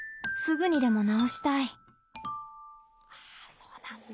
そうなんだ。